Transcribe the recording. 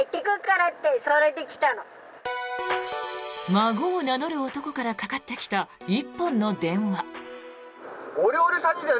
孫を名乗る男からかかってきた１本の電話。